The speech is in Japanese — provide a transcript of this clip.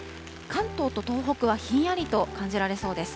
関東と東北はひんやりと感じられそうです。